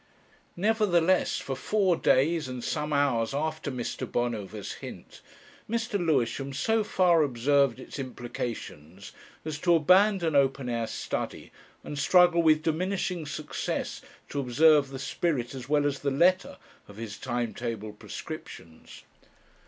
Nevertheless, for four days and some hours after Mr. Bonover's Hint, Mr. Lewisham so far observed its implications as to abandon open air study and struggle with diminishing success to observe the spirit as well as the letter of his time table prescriptions.